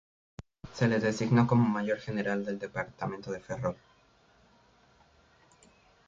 Se le designó como Mayor General del Departamento de Ferrol.